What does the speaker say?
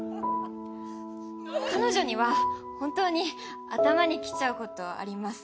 彼女には本当に頭にきちゃうことあります。